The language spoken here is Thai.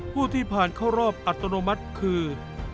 ผู้ที่ผ่านเข้ารอบอัตโนมัติคือ